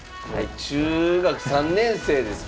中学３年生です